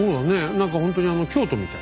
何かほんとに京都みたい。